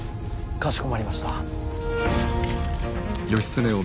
かしこまりました。